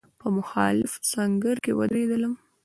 په مخالف سنګر کې ودرېدلم.